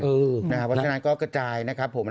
เพราะฉะนั้นก็กระจายนะครับผม